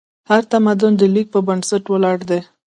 هر تمدن د لیک په بنسټ ولاړ دی.